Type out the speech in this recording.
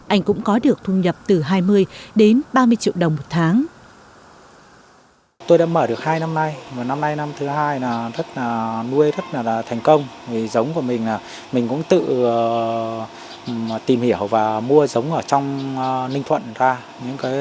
anh cũng có được thu nhập từ hai mươi đến ba mươi triệu đồng một tháng